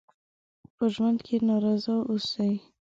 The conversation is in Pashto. په ژوند کې ناراضه اوسئ.